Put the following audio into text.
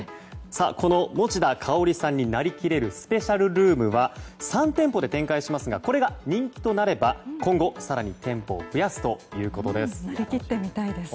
この持田香織さんになりきれるスペシャルルームは３店舗で展開しますがこれが人気となれば今後、更に店舗を増やすということです。